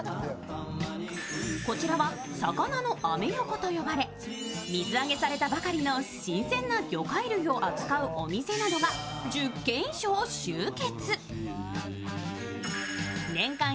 こちらは魚のアメ横と呼ばれ水揚げされたばかりの新鮮な魚介類を扱うお店などが１０軒以上集結。